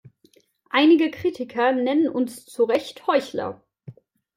Einige Kritiker nennen uns zu Recht Heuchler.